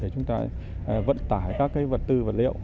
các cái vật tư vật liệu